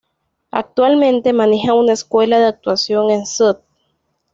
Actualmente maneja una escuela de actuación en St.